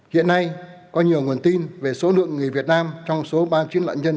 hiện nay có nhiều nguồn tin về số lượng người việt nam trong số ba mươi chín nạn nhân